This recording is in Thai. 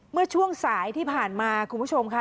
เมื่อช่วงสายที่ผ่านมาคุณผู้ชมค่ะ